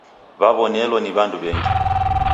W'aw'onelo ni w'andu w'engi.